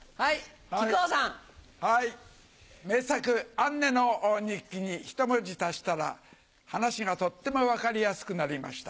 『アンネの日記』にひと文字足したら話がとっても分かりやすくなりました。